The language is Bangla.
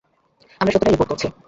আমরা সত্যটাই রিপোর্ট করছি।